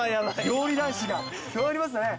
料理男子が加わりますね。